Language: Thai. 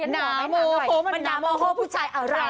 หนาโมโหมันหนาโมโหผู้ชายอะไร